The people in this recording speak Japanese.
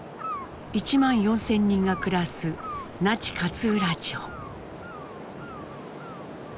１万４，０００人が暮らす那智勝浦町。